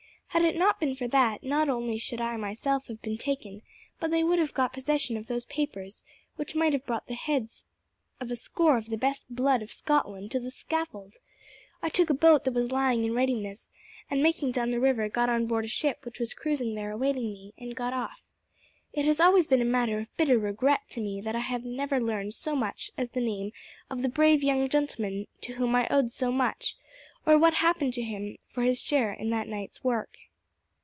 Had it not been for that, not only should I myself have been taken, but they would have got possession of those papers, which might have brought the heads of a score of the best blood of Scotland to the scaffold. I took a boat that was lying in readiness, and making down the river got on board a ship which was cruising there awaiting me, and got off. It has always been a matter of bitter regret to me that I never learned so much as the name of the brave young gentleman to whom I owed so much, or what had happened to him for his share in that night's work."